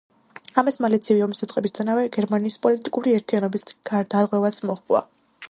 ამას მალე ცივი ომის დაწყებისთანავე გერმანიის პოლიტიკური ერთიანობის დარღვევაც მოჰყვა.